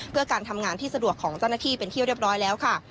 เพื่อการทำงานที่สะดวกของเจ้าหน้าที่เป็นที่เรียบร้อยแล้วค่ะ